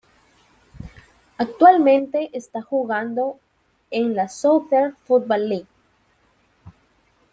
Actualmente está jugando en la Southern Football League.